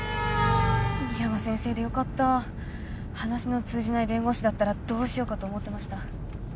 深山先生でよかった話の通じない弁護士だったらどうしようかと思ってました